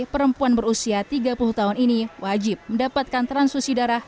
perempuan berusia tiga puluh tahun ini wajib mendapatkan transfusi darah